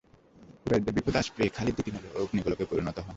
কুরাইশদের বিপদ আঁচ টের পেয়ে খালিদ রীতিমত অগ্নিগোলকে পরিণত হন।